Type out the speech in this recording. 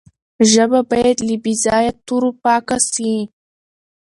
ژبه باید له بې ځایه تورو پاکه سي.